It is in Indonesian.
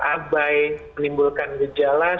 abai menimbulkan gejala